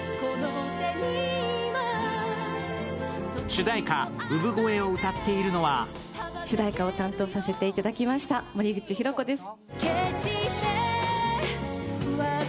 主題歌「Ｕｂｕｇｏｅ」を歌っているのは主題歌を担当させたいただきました森口博子です。